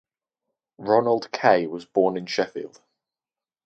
Ronald Kay was born in Sheffield.